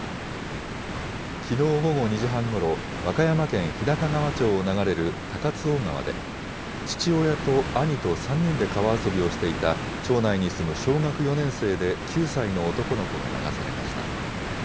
きのう午後２時半ごろ、和歌山県日高川町を流れる高津尾川で、父親と兄と３人で川遊びをしていた、町内に住む小学４年生で９歳の男の子が流されました。